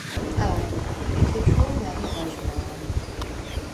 ა̄დუ, ეჩეჩუ̄ნ ა̈რი ღვაჟმა̄რე.